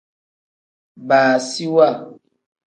Baasiwa.